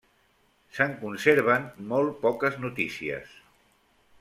Se'n conserven molt poques notícies.